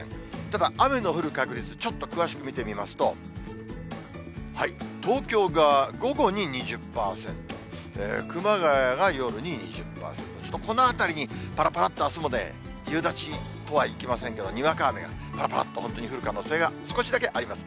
ただ、雨の降る確率、ちょっと詳しく見てみますと、東京が午後に２０％、熊谷が夜に２０％、ちょっとこのあたりに、ぱらぱらっとあすもね、夕立とはいきませんけど、にわか雨が、ぱらぱらっと本当に降る可能性が、少しだけあります。